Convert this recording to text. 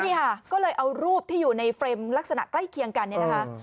นี่ค่ะก็เลยเอารูปที่อยู่ในเฟรมลักษณะใกล้เคียงกันเนี่ยนะคะ